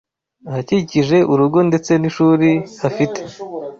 Ahakikije urugo ndetse n’ishuri hafite